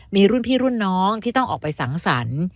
มีรุ่นพี่รุ่นน้องที่ต้องออกไปสังสรรค์